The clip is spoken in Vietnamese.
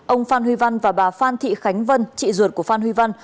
ông phan huy văn và bà phan thị khánh vân chị ruột của phan huy văn